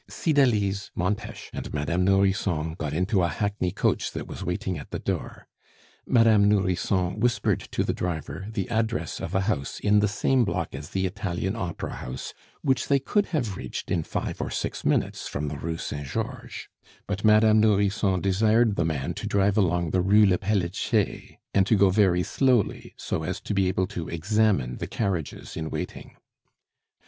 Cydalise, Montes, and Madame Nourrisson got into a hackney coach that was waiting at the door. Madame Nourrisson whispered to the driver the address of a house in the same block as the Italian Opera House, which they could have reached in five or six minutes from the Rue Saint Georges; but Madame Nourrisson desired the man to drive along the Rue le Peletier, and to go very slowly, so as to be able to examine the carriages in waiting.